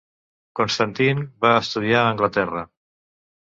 Constantine va estudiar a Anglaterra.